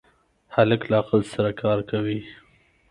هلک له عقل سره کار کوي.